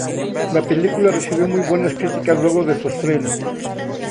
La película recibió muy buenas críticas luego de su estreno.